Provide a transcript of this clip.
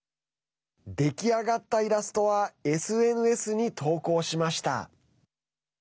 出来上がったイラストはＳＮＳに投稿しました。